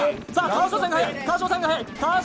川島さんが早い！